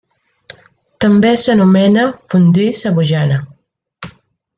També s'anomena fondue savoiana.